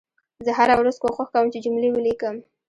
زه هره ورځ کوښښ کوم چې جملې ولیکم